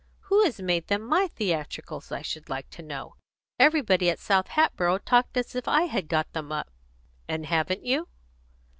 Who has made them my theatricals, I should like to know? Everybody at South Hatboro' talked as if I had got them up." "And haven't you?"